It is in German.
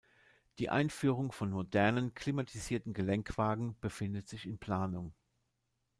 Die Einführung von modernen, klimatisierten Gelenkwagen befindet sich in Planung.